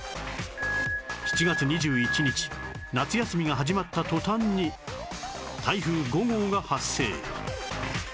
７月２１日夏休みが始まった途端に台風５号が発生